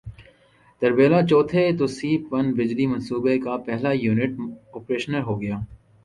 تربیلا چوتھے توسیعی پن بجلی منصوبے کا پہلا یونٹ پریشنل ہوگیا